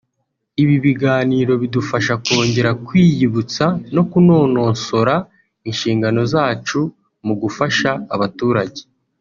ibi biganiro bidufasha kongera kwiyibutsa no kunononsora inshingano zacu mu gufasha abaturage